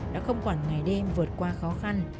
đã không quản ngày đêm vượt qua khó khăn